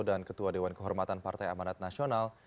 dan ketua dewan kehormatan partai amanat nasional